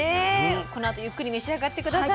このあとゆっくり召し上がって下さい。